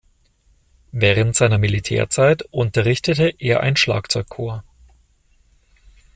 Während seiner Militärzeit unterrichtete er ein Schlagzeug-Corps.